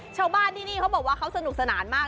ชาวบ้านที่นี่เขาบอกว่าเขาสนุกสนานมาก